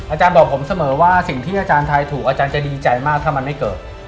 อาจารย์บอกผมเสมอว่าสิ่งที่อาจารย์ไทยถูกอาจารย์จะดีใจมากถ้ามันไม่เกิด